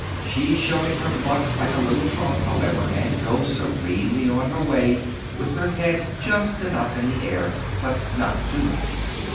She's showing her pluck like a little trump, however, and goes serenely on her way with her head just enough in the air—but not too much.